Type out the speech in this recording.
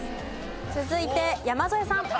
続いて山添さん。